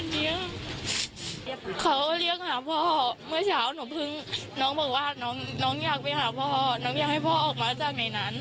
เลี้ยงเขาเรียกหาพ่อเมื่อเช้าหนูเพิ่งน้องบอกว่าน้องอยากไปหาพ่อน้องอยากให้พ่อออกมาจากในนั้น